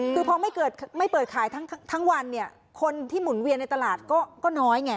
คือพอไม่เปิดขายทั้งวันเนี่ยคนที่หมุนเวียนในตลาดก็น้อยไง